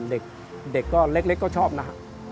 เด็กเล็กก็ชอบนะครับ